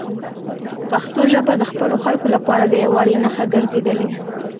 پښتو ژبه د خپلو خلکو لپاره د یووالي نښه ګرځېدلې ده.